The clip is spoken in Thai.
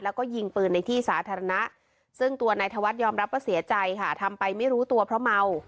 แล้วก็ยิงปืนในที่สาธารณะซึ่งตัวนายธวัฒนยอมรับว่าเสียใจค่ะทำไปไม่รู้ตัวเพราะเมา